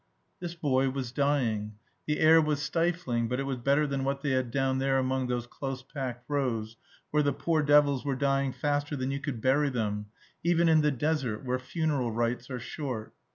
This boy was dying. The air was stifling; but it was better than what they had down there among those close packed rows, where the poor devils were dying faster than you could bury them even in the desert, where funeral rites are short.